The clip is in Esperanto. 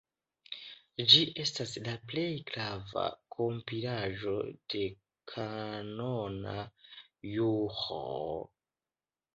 Ĝi estas la plej grava kompilaĵo de kanona juro.